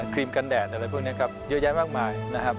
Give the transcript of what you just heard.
รีมกันแดดอะไรพวกนี้ครับเยอะแยะมากมายนะครับ